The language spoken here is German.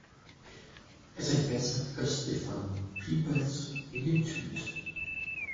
Es entwässert östlich von Peebles in den Tweed.